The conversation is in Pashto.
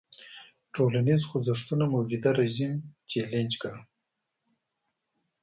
ټولنیز خوځښتونه موجوده رژیم چلنج کړي.